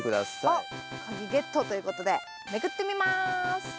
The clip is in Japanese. あっ鍵ゲットということでめくってみます。